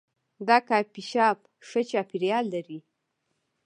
دا کافي شاپ ښه چاپیریال لري.